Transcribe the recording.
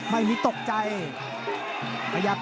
ตามต่อยกที่๓ครับ